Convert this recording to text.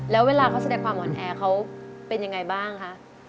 แล้วเวลาเขาแสดงความอ่อนแอเขาเป็นยังไงบ้างคะ